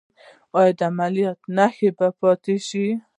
ایا د عملیات نښه به پاتې شي؟